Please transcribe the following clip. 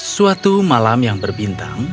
suatu malam yang berbintang